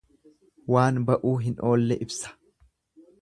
Waan ba'uu hin oolle ibsa.